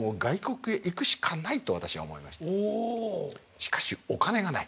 しかしお金がない。